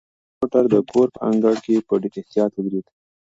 سپین موټر د کور په انګړ کې په ډېر احتیاط ودرېد.